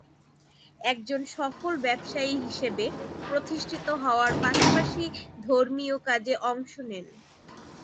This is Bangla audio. একজন সফল ব্যবসায়ী হিসেবে প্রতিষ্ঠিত হওয়ার পাশাপাশি ধর্মীয় কাজে অংশ নেন।